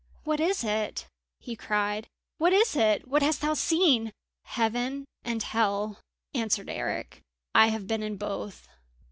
"What is it?" he cried. "What is it? What hast thou seen?" "Heaven and Hell," answered Eric. "I have been in both!"